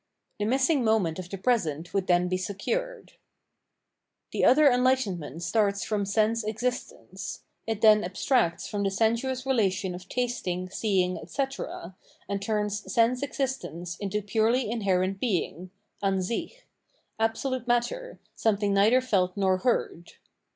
The missing moment of the present would then be secured. The other enlightenment starts from sense existence ; it then abstracts from the sensuous relation of tastmg, seeing, etc., and turns sense existence into purely inherent being {Ansich), absolute matter, something neither felt nor tasted.